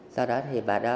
sau đó thì bà đó